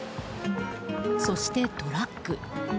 そしてトラック。